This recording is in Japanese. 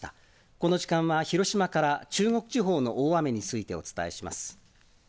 この時間は、広島から中国地方の大雨についてお伝えします。